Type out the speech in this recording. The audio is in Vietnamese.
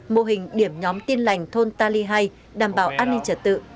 mô hình điểm nhóm tin lành thôn tali hai đảm bảo an ninh trật tự